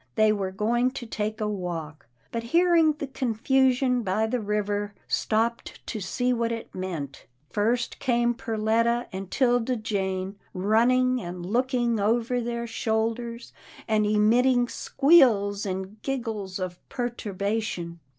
They were going to take a walk, but hearing the confusion by the river, stopped to see what it meant. First came Perletta and 'Tilda Jane, running and looking over their shoulders, and emitting squeals and giggles of perturbation.